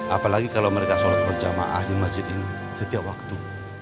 apalagi kalau mereka sholat berjamaah di masjid ini setiap waktu